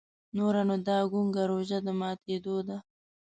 نوره نو دا ګونګه روژه د ماتېدو ده.